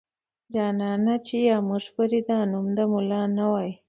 جانانه چې يا موږ پورې دا نوم د ملا نه واي.